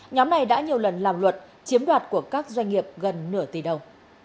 nhóm này đã nhiều lần làm luật chiếm đoạt của các doanh nghiệp gần nửa tỷ đồng